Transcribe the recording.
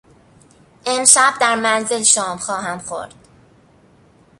امشب در منزل شام خواهم خورد.